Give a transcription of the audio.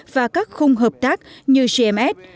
và các khung hợp tác như cms